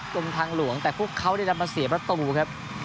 กรมทางหลวงแต่พวกเขาดันมาเสียประตูครับ